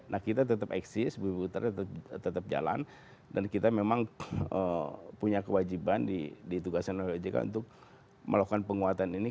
nah kita tetap eksis bumi putra tetap jalan dan kita memang punya kewajiban di tugasan bumi putra untuk melakukan penguatan ini